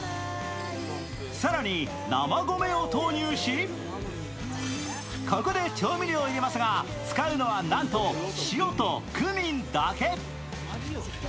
更に、生米を投入しここで調味料を入れますが使うのは、なんと塩とクミンだけ。